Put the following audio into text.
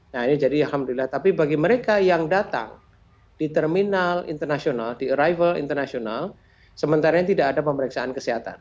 nah ini jadi alhamdulillah tapi bagi mereka yang datang di terminal internasional di arrival internasional sementara ini tidak ada pemeriksaan kesehatan